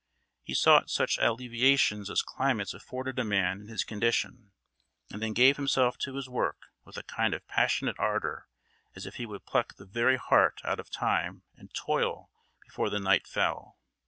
He sought such alleviations as climates afforded a man in his condition, and then gave himself to his work with a kind of passionate ardour, as if he would pluck the very heart out of time and toil before the night fell.